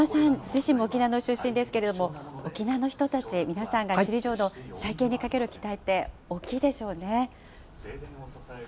自身も沖縄の出身ですけれども、沖縄の人たちが首里城の再建にかける期待って、大きいでしょうね。